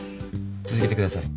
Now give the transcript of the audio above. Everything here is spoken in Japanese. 続けてください。